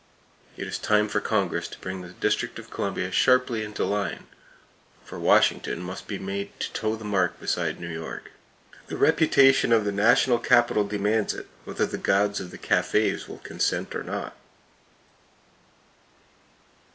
It is time for Congress to bring the District of Columbia sharply into line; for Washington must be made to toe the mark beside New York. The reputation of the national capital demands it, whether the gods of the cafes will consent or not.